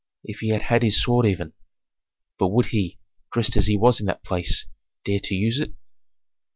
If he had had his sword even! But would he, dressed as he was in that place, dare to use it?